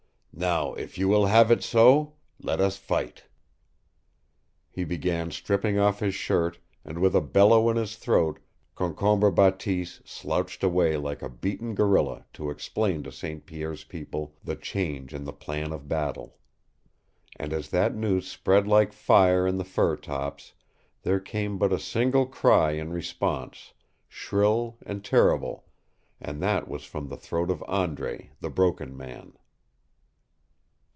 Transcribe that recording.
Now, if you will have it so, let us fight!" He began stripping off his shirt, and with a bellow in his throat Concombre Bateese slouched away like a beaten gorilla to explain to St. Pierre's people the change in the plan of battle. And as that news spread like fire in the fir tops, there came but a single cry in response shrill and terrible and that was from the throat of Andre, the Broken Man.